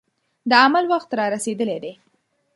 د عمل وخت را رسېدلی دی.